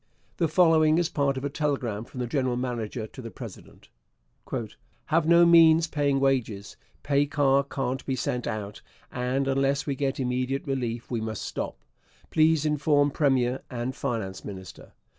The following is part of a telegram from the general manager to the president: Have no means paying wages, pay car can't be sent out, and unless we get immediate relief we must stop. Please inform Premier and Finance Minister.